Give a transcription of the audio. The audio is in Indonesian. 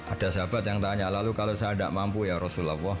ada sahabat yang tanya lalu kalau saya tidak mampu ya rasulullah